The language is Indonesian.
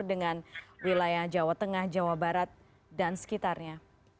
dengan wilayah jawa tengah jawa barat dan sekitarnya